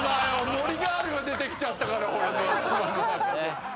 森ガールが出てきちゃったから頭の中で。